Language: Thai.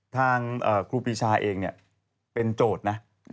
ทางครูปีชาเองเป็นโจทย์นะ